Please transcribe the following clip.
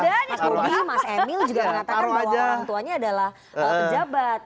ada mas budi mas emil juga mengatakan bahwa orang tuanya adalah pejabat